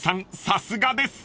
さすがです］